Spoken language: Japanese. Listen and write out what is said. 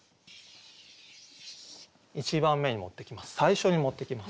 １番目に持ってきます。